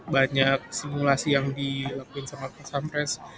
banyak simulasi yang dilakuin sama pas pampres